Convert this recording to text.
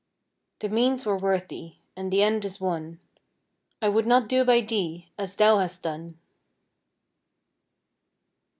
The means were worthy, and the end is won I would not do by thee as thou hast done!